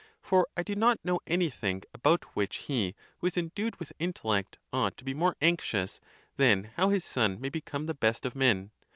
For I do not know any thing about which he, who is endued with intellect, ought to be more anxious, than how his son may become the best of men.